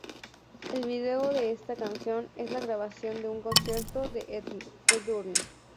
El vídeo de esta canción es la grabación de un concierto de Edurne.